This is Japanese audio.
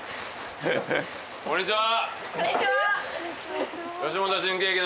・こんにちは！